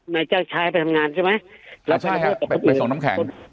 นายจ้างใช้ไปทำงานใช่ไหมแล้วใช่ครับไปส่งน้ำแข็ง